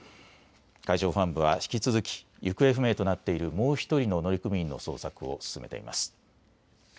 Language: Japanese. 海上保安部は引き続き行方不明となっているもう１人の乗組員の捜索を進めています。